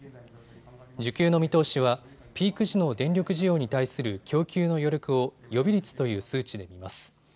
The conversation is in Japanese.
需給の見通しはピーク市の電力需要に対する供給の余力を予備率という数値で見ます。